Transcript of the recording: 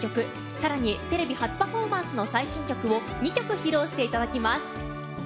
更にテレビ初パフォーマンスの最新曲を２曲披露していただきます。